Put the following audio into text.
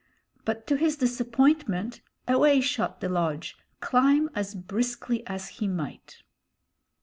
But to his disappointment away shot the lodge, climb as briskly as he might.